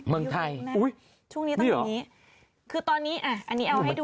เมืองไทยอุ้ยช่วงนี้ต้องอย่างนี้คือตอนนี้อ่ะอันนี้เอาให้ดู